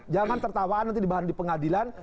jangan tertawa nanti dibahan di pengadilan